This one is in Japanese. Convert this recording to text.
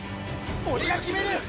俺が決める！